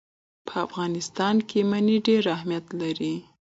په افغانستان کې منی ډېر اهمیت لري.